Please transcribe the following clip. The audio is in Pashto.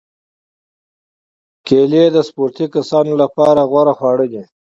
کېله د سپورتي کسانو لپاره غوره خواړه ده.